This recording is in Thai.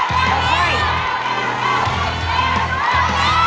เก่งมาก